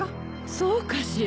そうかしら。